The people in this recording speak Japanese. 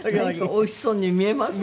おいしそうに見えますね。